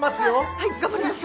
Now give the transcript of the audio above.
あはい頑張ります！